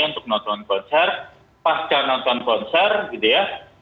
untuk nonton konser pas ya nonton konser gitu ya